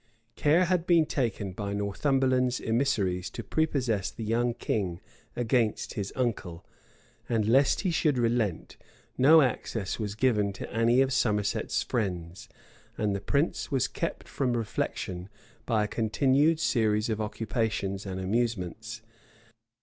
[*] {1552.} Care had been taken by Northumberland's emissaries to prepossess the young king against his uncle; and lest he should relent, no access was given to any of Somerset's friends, and the prince was kept from reflection by a continued series of occupations and amusements.